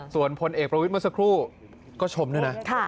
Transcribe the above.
ส่วนพลเอกประวิทย์เมื่อสักครู่ก็ชมด้วยนะ